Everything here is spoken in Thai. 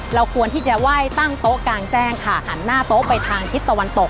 เราควรที่จะไหว้ตั้งโต๊ะกลางแจ้งค่ะหันหน้าโต๊ะไปทางทิศตะวันตก